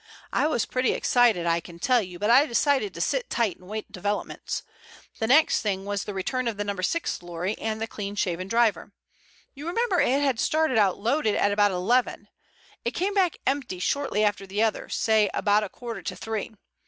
I was pretty excited, I can tell you, but I decided to sit tight and await developments. The next thing was the return of No. 6 lorry and the clean shaven driver. You remember it had started out loaded at about eleven. It came back empty shortly after the other, say about a quarter to three.